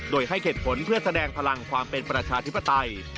โดยให้เหตุผลเพื่อแสดงพลังความเป็นประชาธิปไตย